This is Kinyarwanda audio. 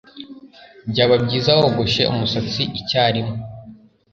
Byaba byiza wogoshe umusatsi icyarimwe.